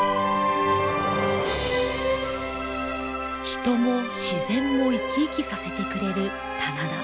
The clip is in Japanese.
人も自然も生き生きさせてくれる棚田。